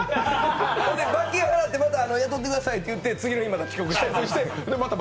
罰金払ってまた雇ってくださいって言って次の日また遅刻してる。